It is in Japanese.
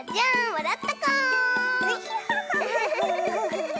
わらったかお！